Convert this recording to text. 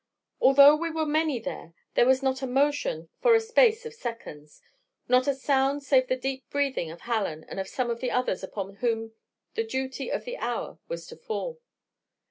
Although we were many there, there was not a motion for a space of seconds not a sound save the deep breathing of Hallen and of some of the others upon whom the duty of the hour was to fall.